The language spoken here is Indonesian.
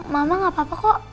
mama gak papah kok